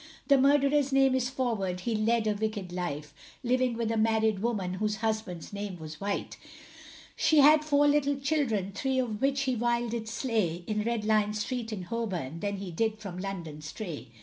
The murderer's name is Forward, he led a wicked life, Living with a married woman, whose husband's name was White; She had four little children, three of which he vile did slay, In Red Lion street, in Holborn, then he did from London stray.